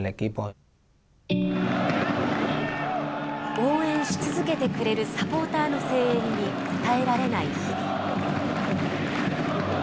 応援し続けてくれるサポーターの声援に応えられない日々。